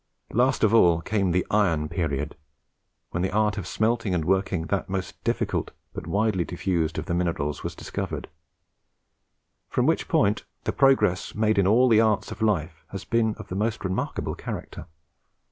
Last of all came the Iron period, when the art of smelting and working that most difficult but widely diffused of the minerals was discovered; from which point the progress made in all the arts of life has been of the most remarkable character.